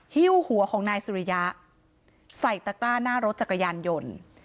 ฮิ้วหัวของนายสุริยะใส่ตะกร้าหน้ารถจักรยานยนต์